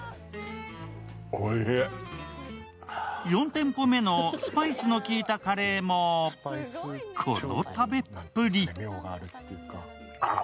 ４店舗目のスパイスの効いたカレーも、この食べっぷり！